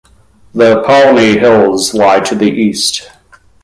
The Palni Hills lie to the east.